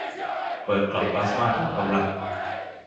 เปิดเกราะพลาสม่าเต็มกำลัง